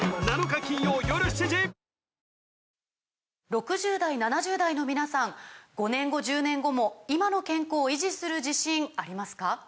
６０代７０代の皆さん５年後１０年後も今の健康維持する自信ありますか？